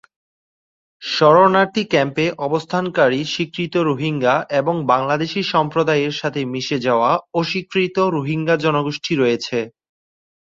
শরণার্থী ক্যাম্পে অবস্থানকারী স্বীকৃত রোহিঙ্গা এবং বাংলাদেশী সম্প্রদায়ের সাথে মিশে যাওয়া অস্বীকৃত রোহিঙ্গা জনগোষ্ঠী রয়েছে।